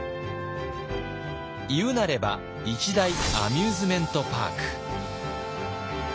言うなれば一大アミューズメントパーク。